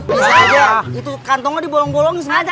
bisa aja itu kantongnya dibolong bolongin sengaja